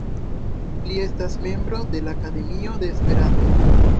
Li estas membro de la Akademio de Esperanto.